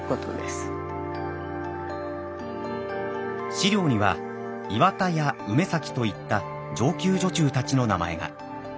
史料には岩田や梅崎といった上級女中たちの名前が。